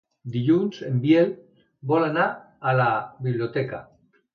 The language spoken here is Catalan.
Dilluns en Biel vol anar a la biblioteca.